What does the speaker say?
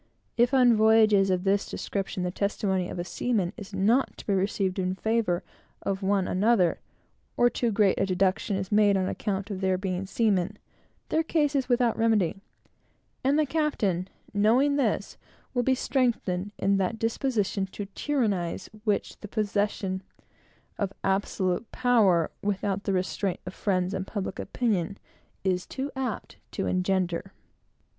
If on voyages of this description the testimony of seamen is not to be received in favor of one another, or too great a deduction is made on account of their being seamen, their case is without remedy; and the captain, knowing this, will be strengthened in that disposition to tyrannize which the possession of absolute power, without the restraints of friends and public opinion, is too apt to engender.